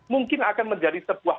mungkin akan menjadi sebuah